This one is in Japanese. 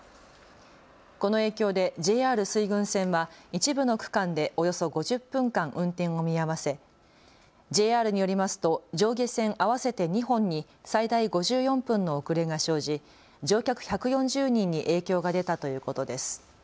この影響でＪＲ水郡線は一部の区間でおよそ５０分間、運転を見合わせＪＲによりますと上下線合わせて２本に最大５４分の遅れが生じ乗客１４０人に影響が出たということです。